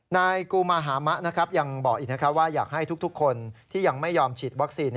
นายกูมาฮามะยังบอกอีกว่าอยากให้ทุกคนที่ยังไม่ยอมฉีดวัคซีน